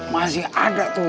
masih ada tuh